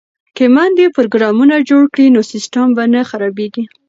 که میندې پروګرامونه جوړ کړي نو سیسټم به نه خرابیږي.